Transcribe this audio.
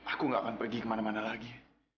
aku gak akan pergi kemana mana lagi